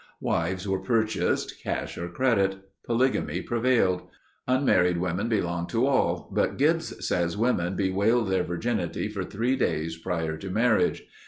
Wives were purchased, cash or credit. Polygamy prevailed. Unmarried women belonged to all, but Gibbs says women bewailed their virginity for three days prior to marriage.